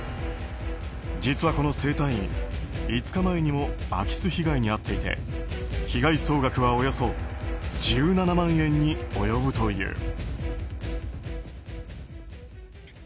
実はこの整体院、５日前にも空き巣被害に遭っていて被害総額はおよそ１７万円に及ぶという。